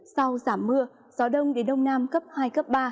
sau giảm mưa gió đông đến đông nam cấp hai cấp ba